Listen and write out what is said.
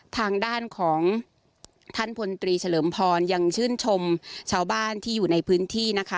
ทางด้านของท่านพลตรีเฉลิมพรยังชื่นชมชาวบ้านที่อยู่ในพื้นที่นะคะ